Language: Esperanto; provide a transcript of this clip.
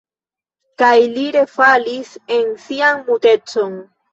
Kaj li refalis en sian mutecon.